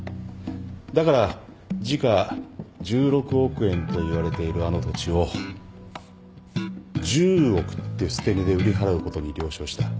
だから時価１６億円といわれているあの土地を１０億って捨て値で売り払うことに了承した。